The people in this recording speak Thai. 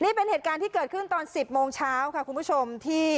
นี่เป็นเหตุการณ์ที่เกิดขึ้นตอน๑๐โมงเช้าค่ะคุณผู้ชมที่